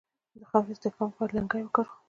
د خاورې د استحکام لپاره نیالګي وکرو.